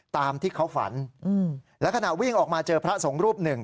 ตามที่เขาฝันและขณะวิ่งออกมาเจอพระสงฆ์รูปหนึ่ง